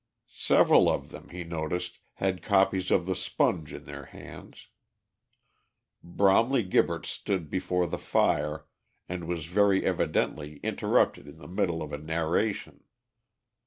Several of them, he noticed, had copies of the Sponge in their hands. Bromley Gibberts stood before the fire, and was very evidently interrupted in the middle of a narration.